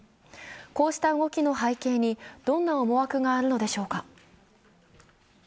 こうした動きの背景にどんな思惑があるのでしょうか。